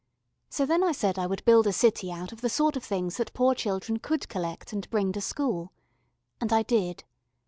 So then I said I would build a city out of the sort of things that poor children could collect and bring to school. And I did.